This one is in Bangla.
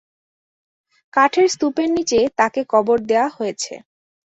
কাঠের স্তূপের নিচে তাকে কবর দেয়া হয়েছে।